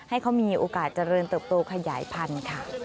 ให้เขามีโอกาสเจริญเติบโตขยายพันธุ์ค่ะ